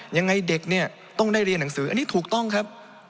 ยังไงเด็กเนี่ยต้องได้เรียนหนังสืออันนี้ถูกต้องครับ